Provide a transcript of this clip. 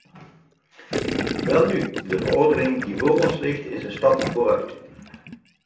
Welnu, de verordening die voor ons ligt, is een stap vooruit.